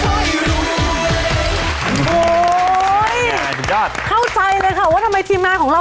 โอ้โหสุดยอดเข้าใจเลยค่ะว่าทำไมทีมงานของเรา